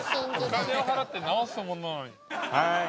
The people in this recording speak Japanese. お金を払って治すものなのに。